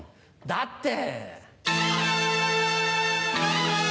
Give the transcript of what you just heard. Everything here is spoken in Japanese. だって。